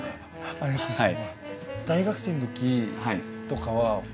ありがとうございます。